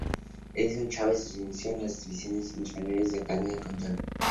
Edinson Chávez se inició en las divisiones inferiores de la Academia Cantolao.